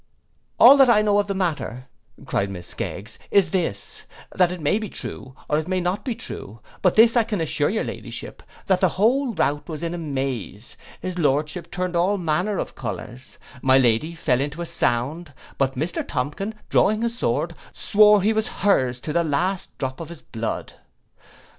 'All that I know of the matter,' cried Miss Skeggs, 'is this, that it may be true, or it may not be true: but this I can assure your Ladyship, that the whole rout was in amaze; his Lordship turned all manner of colours, my Lady fell into a sound; but Sir Tomkyn, drawing his sword, swore he was her's to the last drop of his blood.